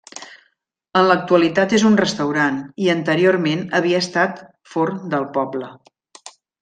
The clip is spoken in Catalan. En l'actualitat és un restaurant i anteriorment havia estat forn del poble.